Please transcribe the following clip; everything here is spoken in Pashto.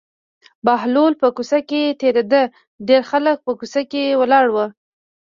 بهلول په کوڅه کې تېرېده ډېر خلک په کوڅه کې ولاړ وو.